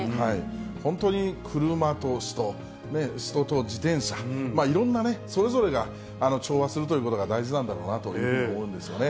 本当に車と人、人と自転車、いろんなね、それぞれが調和するということが大事なんだなというふうに思うんですよね。